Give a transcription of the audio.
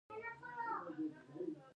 ایران له عراق سره اته کاله جنګ وکړ.